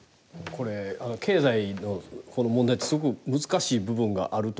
これ経済のこの問題ってすごく難しい部分があると思うんですけど。